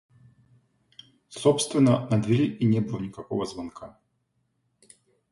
Собственно, на двери и не было никакого звонка.